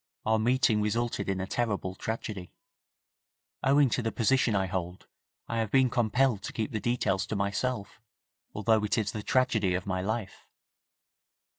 Our meeting resulted in a terrible tragedy. Owing to the position I hold I have been compelled to keep the details to myself although it is the tragedy of my life.'